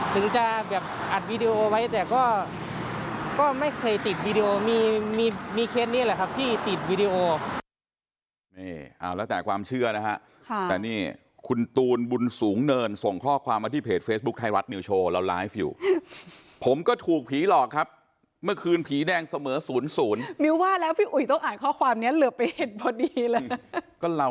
ถึงจะแบบอัดวิดีโอไว้แต่ก็ไม่เคยติดวิดีโอมีเคสนี้แหละครับ